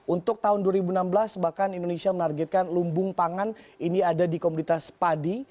untuk tahun dua ribu enam belas bahkan indonesia menargetkan lumbung pangan ini ada di komunitas padi